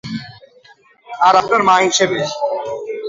আর আপনার মা হিসেবে।